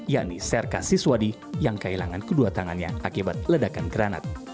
yakni serka siswadi yang kehilangan kedua tangannya akibat ledakan granat